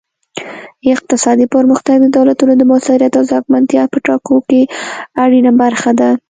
اقتصادي پرمختګ د دولتونو د موثریت او ځواکمنتیا په ټاکلو کې اړینه برخه ده